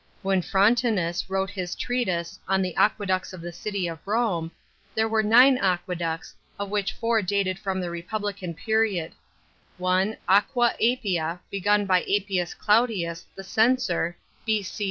When Frontinus wrote his treatise "On the Aqueducts of the City of Rome,"* there were nine aqueducts, of which four dated from the Republican i eriod : (1) Aqua Appia, begun by Appius Claudius, the censor, B.C.